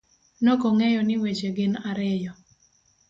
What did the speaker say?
Nokong'eyo ni weche gin ariyo;